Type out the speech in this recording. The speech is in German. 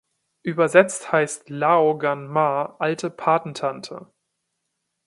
Übersetzt heißt Lao Gan Ma „alte Patentante“.